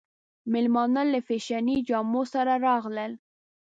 مېلمانه له فېشني جامو سره راغلل.